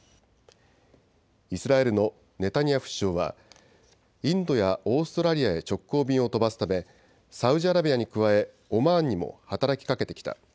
イスラエルのネタニヤフ首相はインドやオーストラリアへ直行便を飛ばすためサウジアラビアに加えオマーンにも働きかけてきた。